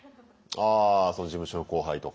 あその事務所の後輩とか。